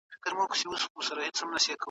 عدل او انصاف په څېړنه کې ضروري دی.